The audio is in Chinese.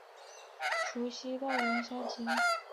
从除夕到元宵节